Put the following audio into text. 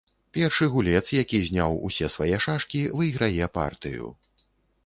Першы гулец, які зняў усе свае шашкі, выйграе партыю.